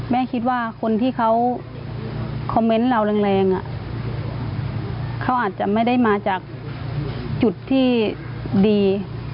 แม่คิดว่าคนที่เขาคอมเมนต์เราแรงเขาอาจจะไม่ได้มาจากจุดที่ดี